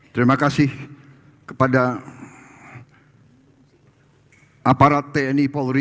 terima kasih kepada aparat tni polri